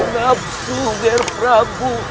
napsu nger prabu